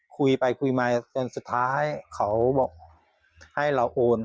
คุยไปคุยมาจนสุดท้ายเขาบอกให้เราโอน